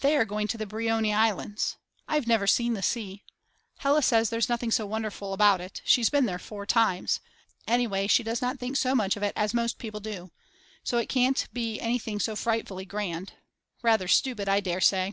They are going to the Brioni Islands. I've never seen the sea. Hella says there's nothing so wonderful about it. She's been there four times. Anyway she does not think so much of it as most people do. So it can't be anything so frightfully grand. Rather stupid I dare say.